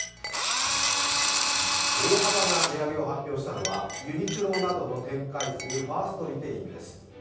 大幅な値上げを発表したのはユニクロなどを展開するファーストリテイリングです。